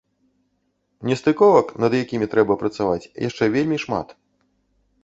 Нестыковак, над якімі трэба працаваць, яшчэ вельмі шмат.